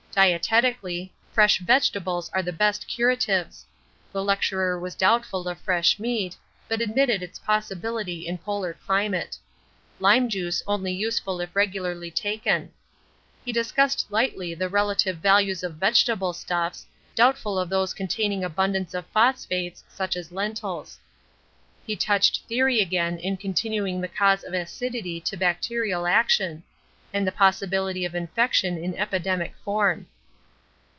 Dietetically, fresh vegetables are the best curatives the lecturer was doubtful of fresh meat, but admitted its possibility in polar climate; lime juice only useful if regularly taken. He discussed lightly the relative values of vegetable stuffs, doubtful of those containing abundance of phosphates such as lentils. He touched theory again in continuing the cause of acidity to bacterial action and the possibility of infection in epidemic form.